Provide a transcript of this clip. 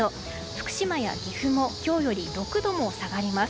福島や岐阜も今日より６度も下がります。